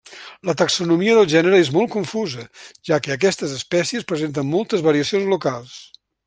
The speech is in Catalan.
La taxonomia del gènere és molt confusa, ja que aquestes espècies presenten moltes variacions locals.